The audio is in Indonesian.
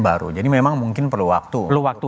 baru jadi memang mungkin perlu waktu perlu waktu